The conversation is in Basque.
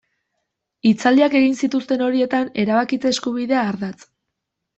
Hitzaldiak egin zituzten horietan, erabakitze eskubidea ardatz.